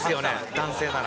男性なら。